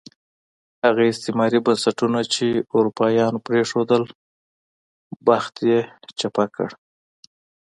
هغه استعماري بنسټونه چې اروپایانو پرېښودل، بخت یې چپه کړ.